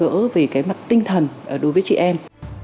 gỡ gỡ về cái mặt tinh thần đối với chị em